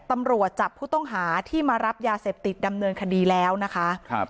ตำรวจจับผู้ต้องหาที่มารับยาเสพติดดำเนินคดีแล้วนะคะครับ